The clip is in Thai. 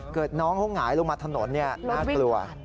เกิดน้องเขาหงายลงมาถนนนี่น่ากลัว